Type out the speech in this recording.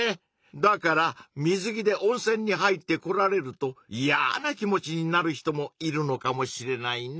だから水着で温泉に入ってこられるといやな気持ちになる人もいるのかもしれないね。